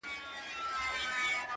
زما په څېره كي; ښكلا خوره سي;